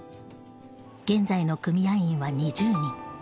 現在の組合員は２０人。